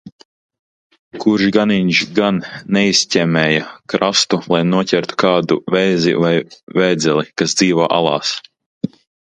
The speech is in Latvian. "Kurš ganiņš gan "neizķemmēja" krastu, lai noķertu kādu vēzi vai vēdzeli, kas dzīvo alās."